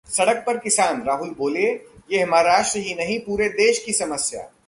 सड़क पर किसान, राहुल बोले- ये महाराष्ट्र ही नहीं पूरे देश की समस्या